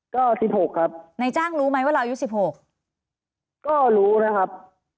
ก็๑๖ครับนายจ้างรู้ไหมว่าเราอายุ๑๖ก็รู้นะครับ